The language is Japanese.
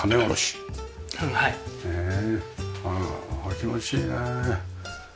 気持ちいいね。